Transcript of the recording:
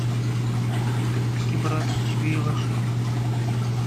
Так-таки брат к тебе и вошел?